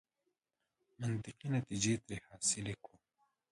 منطقي نتیجې ترې حاصلې کړو.